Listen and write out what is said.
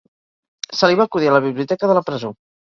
Se li va acudir a la biblioteca de la presó.